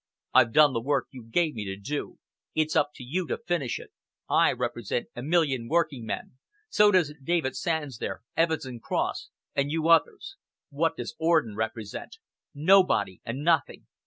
I've done the work you gave me to do. It's up to you to finish it, I represent a million working men. So does David Sands there, Evans and Cross, and you others. What does Orden represent? Nobody and nothing!